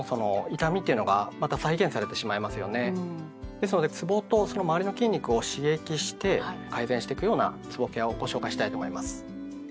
ですのでつぼとその周りの筋肉を刺激して改善していくようなつぼケアをご紹介したいと思います。